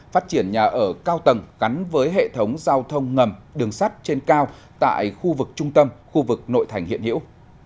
phát triển nhà ở cao tầng gắn với hệ thống giao thông ngầm đường sắt trên cao tại khu vực trung tâm khu vực nội thành hiện hiểu